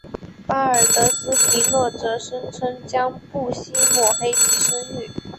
巴尔德斯皮诺则声称将不惜抹黑其声誉。